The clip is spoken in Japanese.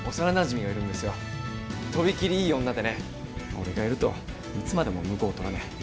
俺がいるといつまでも婿を取らねえ。